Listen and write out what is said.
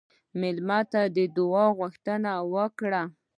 مېلمه ته د دعا غوښتنه وکړه.